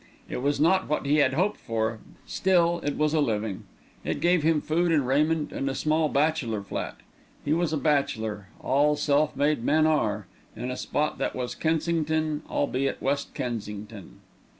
It was not what he had hoped for; still, it was a living. It gave him food and raiment and a small bachelor flat he was a bachelor, all self made men are in a spot that was Kensington, albeit West Kensington.